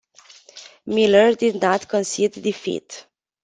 Miller did not concede defeat.